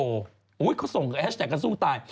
เขาส่งแฮชแท็กกันสู้ตาย